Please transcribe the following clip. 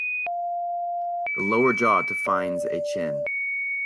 The lower jaw defines a chin.